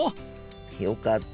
よかった。